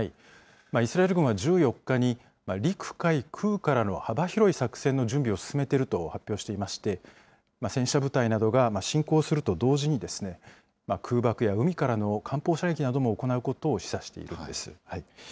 イスラエル軍は１４日に、陸海空からの幅広い作戦の準備を進めていると発表していまして、戦車部隊などが侵攻すると同時に、空爆や海からの艦砲射撃なども行うことを示唆しているんです。